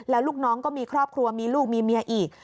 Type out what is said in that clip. แล้วลูกน้องก็มีครอบครัวมีลูกมีเมียอีก